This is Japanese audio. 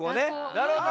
なるほどね。